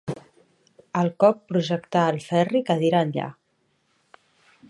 El cop projectà el Ferri cadira enllà.